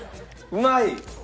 うまい。